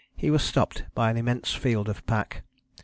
he was stopped by an immense field of pack.